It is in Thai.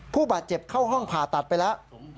ผู้บาดเจ็บเข้าห้องผ่าตัดไปแล้ว